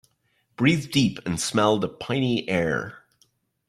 Breathe deep and smell the piny air.